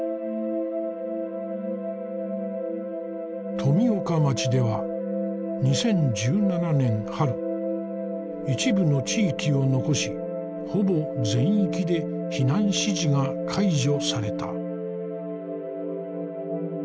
富岡町では２０１７年春一部の地域を残しほぼ全域で避難指示が解除された。